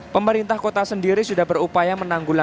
pemerintah kota sendiri sudah berupaya menanggulangi